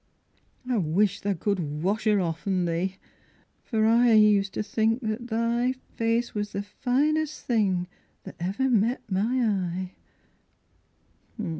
I wish tha could wesh 'er off'n thee, For I used to think that thy Face was the finest thing that iver Met my eye....